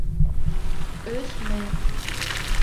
Өс мең!